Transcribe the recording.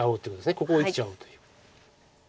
ここを生きちゃおうという。